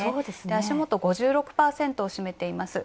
足元５６％を占めています。